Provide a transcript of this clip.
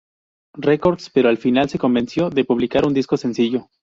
Records, pero al final se convenció de publicar un disco sencillo.